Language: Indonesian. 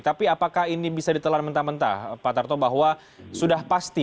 tapi apakah ini bisa ditelan mentah mentah pak tarto bahwa sudah pasti